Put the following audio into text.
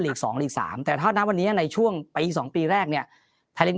ฤทธิ์๒รีสารแต่ว่าแนปแบบนี้ในช่วงประอีก๒ปีแรกเนี่ยแกร่ง